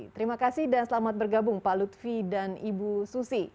terima kasih dan selamat bergabung pak lutfi dan ibu susi